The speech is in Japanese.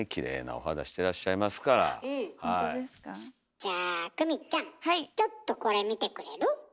じゃあ久美ちゃんちょっとこれ見てくれる？